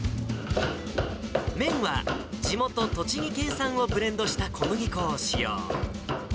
麺は地元、栃木県産をブレンドした小麦粉を使用。